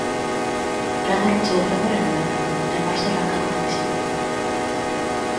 Prado rachou o fémur en novembro, en marzo arranca a competición.